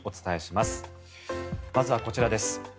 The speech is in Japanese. まずはこちらです。